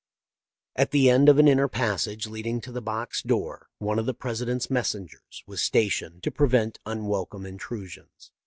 At the end of an inner passage leading to the box door, one of the President's " messengers " was stationed to prevent unwelcome intrusions.